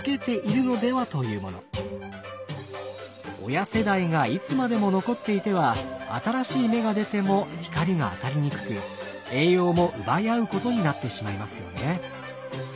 親世代がいつまでも残っていては新しい芽が出ても光が当たりにくく栄養も奪い合うことになってしまいますよね。